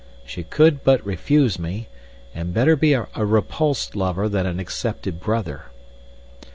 She could but refuse me, and better be a repulsed lover than an accepted brother.